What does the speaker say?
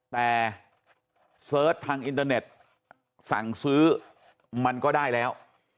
แต่เสิร์ชทางอินเตอร์เน็ตสั่งซื้อมันก็ได้แล้ว